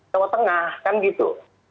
jawa tengah kan gitu